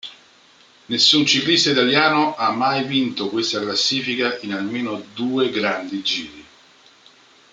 Nessun ciclista italiano ha mai vinto questa classifica in almeno due grandi Giri.